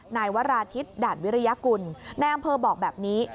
นายวราธิตด่านวิริยกุลนายอำเภอบอกแบบนี้